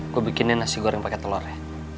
gue bikinnya nasi goreng pake telor ya